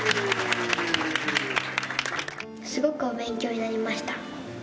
すごくお勉強になりました。